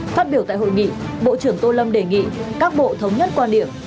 phát biểu tại hội nghị bộ trưởng tô lâm đề nghị các bộ thống nhất quan điểm